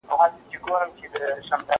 زه پرون د کتابتون کتابونه لوستل کوم،